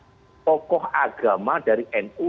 tokoh agama dari nu